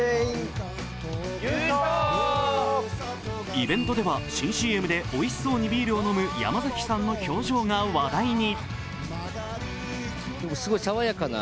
イベントでは新ＣＭでおいしそうにビールを飲む山崎さんの表情が話題に。